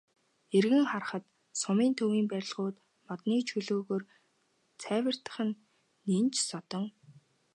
Эргэн харахад сумын төвийн барилгууд модны чөлөөгөөр цайвартах нь нэн ч содон.